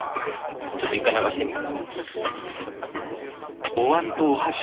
ちょっと一回流してみよ。